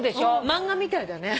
漫画みたいだね。